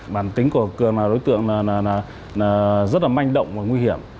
bản tính của cường là đối tượng rất là manh động và nguy hiểm